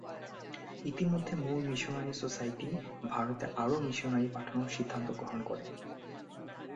ইতিমধ্যে মুল missionary society ভারতে আরও মিশনারি পাঠানোর সিদ্ধান্ত গ্রহণ করে।